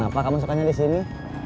kenapa kamu sukanya disini